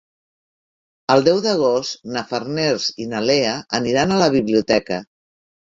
El deu d'agost na Farners i na Lea aniran a la biblioteca.